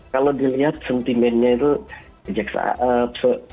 kalau dilihat sentimennya itu